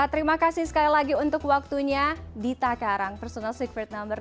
terima kasih sekali lagi untuk waktunya dita karang personal secret number